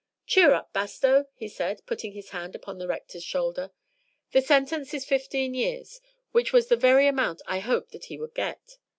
"Cheer up, Bastow," he said, putting his hand upon the Rector's shoulder. "The sentence is fifteen years, which was the very amount I hoped that he would get.